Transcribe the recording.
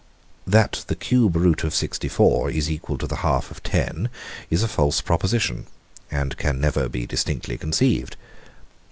That the cube root of 64 is equal to the half of 10, is a false proposition, and can never be distinctly conceived.